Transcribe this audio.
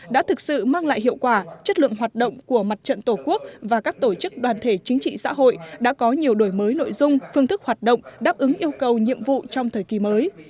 đã thực sự mang lại hiệu quả chất lượng hoạt động của mặt trận tổ quốc và các tổ chức đoàn thể chính trị xã hội đã có nhiều đổi mới nội dung phương thức hoạt động đáp ứng yêu cầu nhiệm vụ trong thời kỳ mới